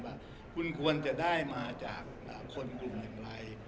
ว่าคุณควรจะได้มาจากคนกลุ่มอย่างไร